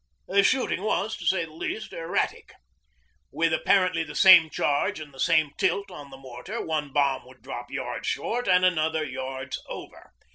The shooting was, to say the least, erratic. With apparently the same charge and the same tilt on the mortar, one bomb would drop yards short and another yards over.